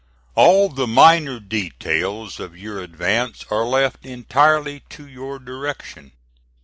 "All the minor details of your advance are left entirely to your direction.